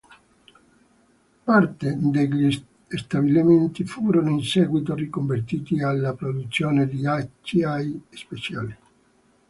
Parte degli stabilimenti furono in seguito riconvertiti alla produzione di acciai speciali.